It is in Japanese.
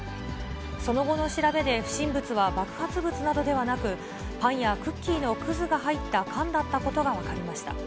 その後の調べで、不審物は爆発物などではなく、パンやクッキーのくずが入った缶だったことが分かりました。